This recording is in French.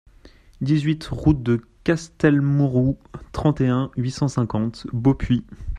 dix-huit rOUTE DE CASTELMAUROU, trente et un, huit cent cinquante, Beaupuy